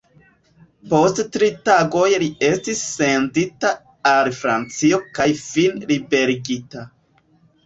Post tri tagoj li estis sendita al Francio kaj fine liberigita.